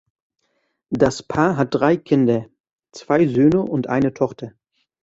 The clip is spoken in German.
Das Paar hat drei Kinder (zwei Söhne und eine Tochter).